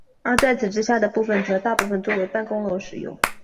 而在此之下的部分则大部分作为办公楼使用。